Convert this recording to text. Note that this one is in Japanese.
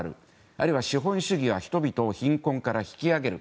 あるいは資本主義は人々を貧困から引き上げる。